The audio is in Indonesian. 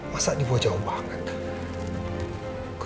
masa dibawa jauh banget